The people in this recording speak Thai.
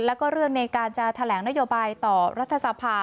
แล้วก็เรื่องในการจะแถลงนโยบายต่อรัฐสภา